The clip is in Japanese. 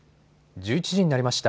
１１時になりました。